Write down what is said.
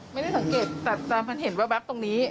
ไม่ได้สังเกตแต่มันเห็นแว๊บตรงนี้